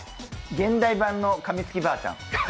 現代版のかみつきばあちゃん。